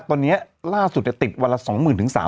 ตอนนี้ล่าสุดจะติดวันละ๒หมื่นถึง๓ห้าคน